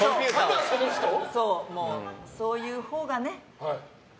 そういうほうがね。